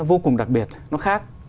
vô cùng đặc biệt nó khác